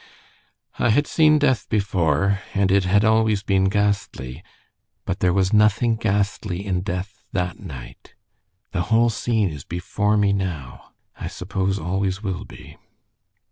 I had seen death before, and it had always been ghastly, but there was nothing ghastly in death that night. The whole scene is before me now, I suppose always will be."